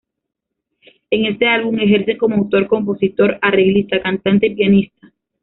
En este álbum, ejerce como autor, compositor, arreglista, cantante y pianista.